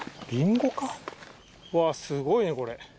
うわっすごいねこれ。